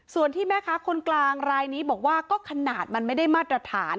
ส่วนที่แม่ค้าคนกลางรายนี้บอกว่าก็ขนาดมันไม่ได้มาตรฐาน